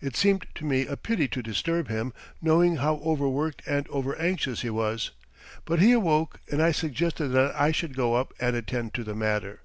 It seemed to me a pity to disturb him, knowing how overworked and overanxious he was; but he awoke and I suggested that I should go up and attend to the matter.